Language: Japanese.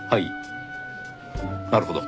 なるほど。